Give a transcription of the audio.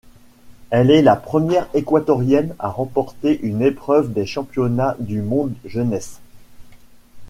Elle est la première équatorienne à remporter une épreuve des championnats du monde jeunesse.